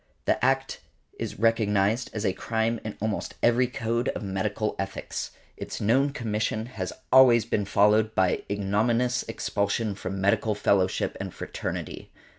The act is recognized as a crime in almost every code of medical ethics: its known commission has always been followed by ignominious expulsion from medical fellowship and fraternity.